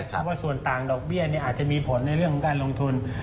เพราะว่าส่วนต่างดอกเบี้ยอาจจะมีผลในเรื่องของการลงทุน